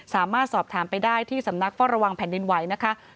สามารถสอบถามไปได้ที่สำนักเฝ้าระวังแผ่นดินไหวนะคะ